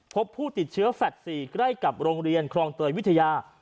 พบผู้ติดเชื้อแฟลต์๔ใกล้กับโรงเรียนครองเตยวิทยา